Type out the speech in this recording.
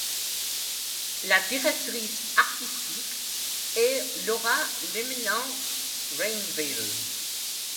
La directrice artistique est Laura Lemelin-Rainville.